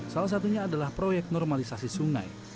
salah satunya adalah proyek normalisasi sungai